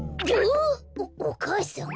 おお母さん？